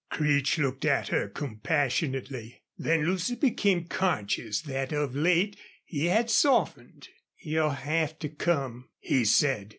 Creech looked at her compassionately. Then Lucy became conscious that of late he had softened. "You'll have to come," he said.